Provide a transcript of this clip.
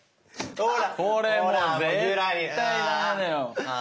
ほら。